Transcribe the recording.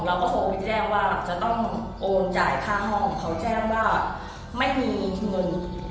เราก็โทรไปแจ้งว่าจะต้องโอนจ่ายค่าห้องเขาแจ้งว่าไม่มีเงิน